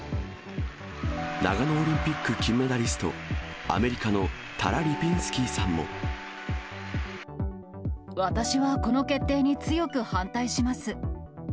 長野オリンピック金メダリスト、アメリカのタラ・リピンスキーさ私はこの決定に強く反対します。